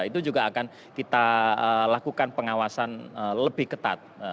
itu juga akan kita lakukan pengawasan lebih ketat